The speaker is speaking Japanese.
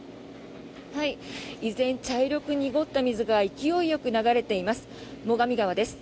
依然、茶色く濁った水が勢いよく流れています最上川です。